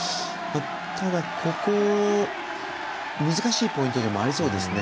ただ、難しいポイントでもありそうですね。